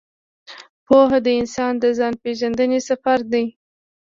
پوهه د انسان د ځان پېژندنې سفر دی.